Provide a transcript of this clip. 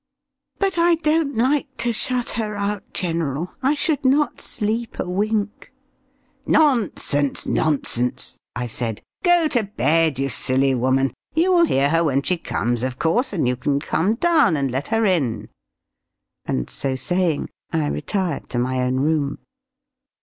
"But I don't like to shut her out, general; I should not sleep a wink." "Nonsense, nonsense!" I said. "Go to bed, you silly woman; you will hear her when she comes, of course, and can come down and let her in." And so saying, I retired to my own room.